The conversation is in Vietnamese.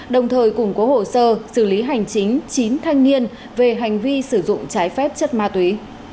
đồng thời củng cố hồ sơ xử lý hành chính chín thanh niên về hành vi sử dụng trái phép chất ma túy